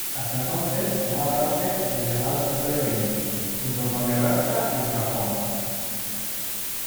Hasta entonces, formaba parte del llamado Territorio Indio, junto con Nebraska y Oklahoma.